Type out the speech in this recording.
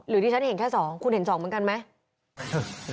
หรือดิฉันเห็นแค่สองคุณเห็นสองเหมือนกันไหม